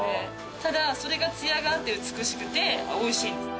ただそれが艶があって美しくておいしいんですね